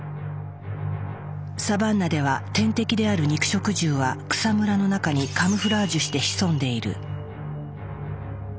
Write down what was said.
サバンナでは天敵である肉食獣は草むらの中にカムフラージュして潜んでいる。